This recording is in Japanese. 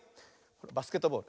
バスケットボール。